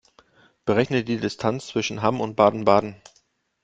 Berechne die Distanz zwischen Hamm und Baden-Baden